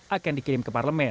akan dikirim ke parlemen